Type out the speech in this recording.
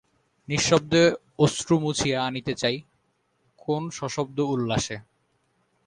নিঃশব্দে অশ্রু মুছিয়া আনিতে চাই কেন সশব্দ উল্লাস?